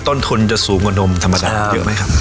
ต้นทุนจะสูงกว่านมธรรมดาเยอะไหมครับ